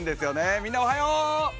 みんな、おはよう！